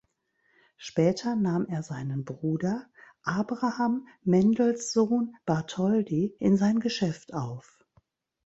Später nahm er seinen Bruder Abraham Mendelssohn Bartholdy in sein Geschäft auf.